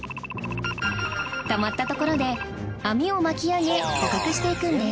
たまったところで網を巻き上げ捕獲していくんです